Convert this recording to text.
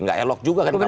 gak elok juga kan kami